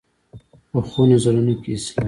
پخو نظرونو کې اصلاح وي